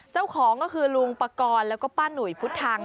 เจ้าของก็คือลุงปกรณ์แล้วก็ป้าหนุ่ยพุทธัง